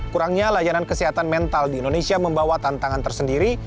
kurangnya layanan kesehatan mental di indonesia membawa tantangan tersendiri